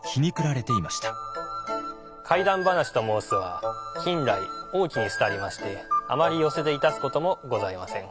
怪談噺と申すは近来大きに廃りましてあまり寄席でいたすこともございません。